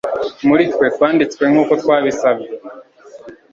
muri twe twanditswe nkuko twabisabye